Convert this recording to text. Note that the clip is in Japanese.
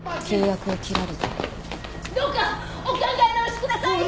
どうかお考え直しください！